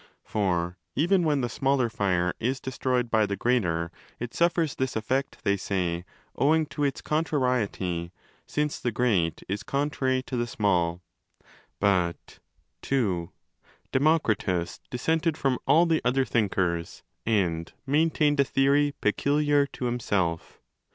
For even when the smaller fire is destroyed by the greater, it suffers this effect (they say) owing to its 'contrariety '—since the great is contrary to the small. But (ii) Demokritos dis sented from all the other thinkers and maintained a theory peculiar to himself.